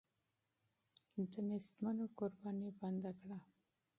د غریبانو قرباني بنده کړه.